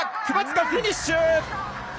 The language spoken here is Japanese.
クバツカ、フィニッシュ！